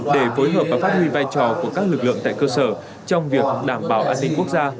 để phối hợp và phát huy vai trò của các lực lượng tại cơ sở trong việc đảm bảo an ninh quốc gia